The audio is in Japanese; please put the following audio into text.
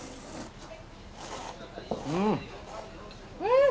うん。